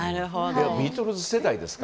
ビートルズ世代ですか？